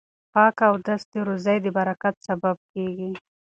پاک اودس د روزۍ د برکت سبب کیږي.